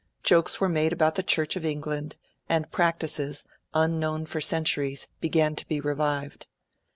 Jokes were made about the Church of England, and practices, unknown for centuries, began to be revived.